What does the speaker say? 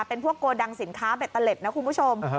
เป็นพวกกวดังสินค้าเบ็ดตะเล็ดนะครับคุณผู้ชม